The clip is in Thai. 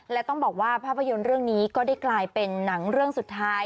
และต้องบอกว่าภาพยนตร์เรื่องนี้ก็ได้กลายเป็นหนังเรื่องสุดท้าย